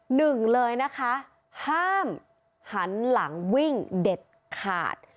หนึ่งเลยนะคะห้ามหันหลังวิ่งเด็ดขาด